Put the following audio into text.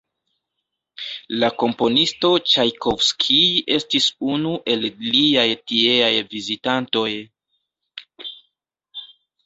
La komponisto Ĉajkovskij estis unu el liaj tieaj vizitantoj.